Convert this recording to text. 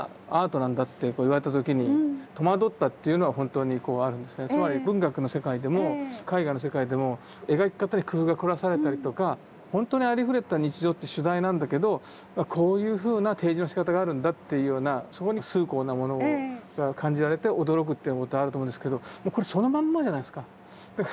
はっきり言ってつまり文学の世界でも絵画の世界でも描き方に工夫が凝らされたりとかほんとにありふれた日常って主題なんだけどこういうふうな提示のしかたがあるんだっていうようなそこに崇高なものを感じられて驚くっていうことはあると思うんですけどこれそのまんまじゃないですか。